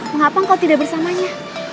mengapa kau tidak bersamanya